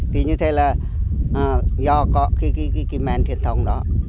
thì như thế là do có cái men thiền thông đó